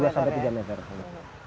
dua sampai tiga meter kalau